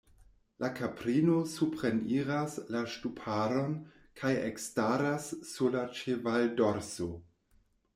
La kaprino supreniras la ŝtuparon kaj ekstaras sur la ĉevaldorso.